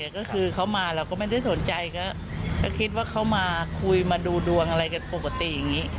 ก็คือเขามาเราก็ไม่ได้สนใจก็คิดว่าเขามาคุยมาดูดวงอะไรกันปกติอย่างนี้